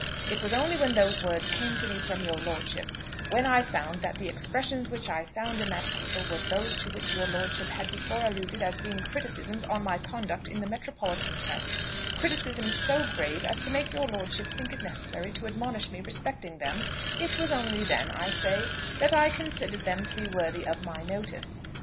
It was only when those words came to me from your lordship, when I found that the expressions which I found in that paper were those to which your lordship had before alluded as being criticisms on my conduct in the metropolitan press, criticisms so grave as to make your lordship think it necessary to admonish me respecting them, it was only then, I say, that I considered them to be worthy of my notice.